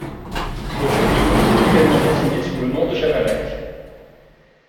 Le fruit est également désigné sous le nom de jamalac.